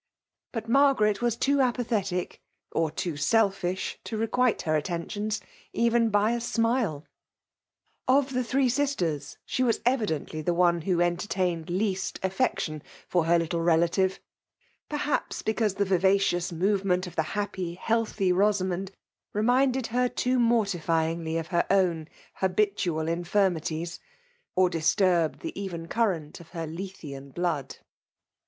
But Margaret was too apathetic, or too selfish, to requite her attentions, even by a smile. Of the three sisters, she was evidently the one who «nteitained least affection for her little rela thre ; perhaps because the vivacious movement of the happy, healthy Bosamond reminded her too mortifyingly of her own habitual infirmi ties, or disturbed the even current of l^r Lethean blood.